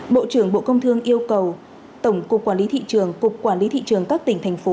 bộ trưởng bộ công thương yêu cầu tổng cục quản lý thị trường cục quản lý thị trường các tỉnh thành phố